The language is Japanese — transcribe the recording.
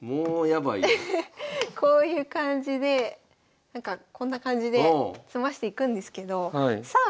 アハッこういう感じでこんな感じで詰ましていくんですけどさあ